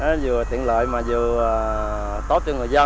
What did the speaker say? nó vừa tiện lợi mà vừa tốt cho người dân